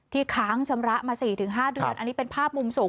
ค้างชำระมา๔๕เดือนอันนี้เป็นภาพมุมสูง